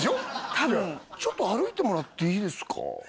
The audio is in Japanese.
たぶんちょっと歩いてもらっていいですか？